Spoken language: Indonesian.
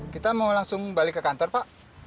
kita mau langsung balik ke kantor pak